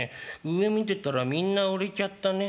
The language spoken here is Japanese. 上見てたらみんな売れちゃったね。